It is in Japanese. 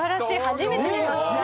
初めて見ました。